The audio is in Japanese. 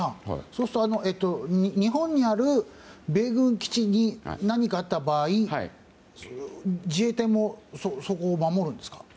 そうすると日本にある米軍基地に何かあった場合自衛隊もそこを守るんですか？